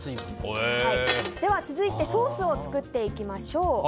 では続いてソースを作っていきましょう。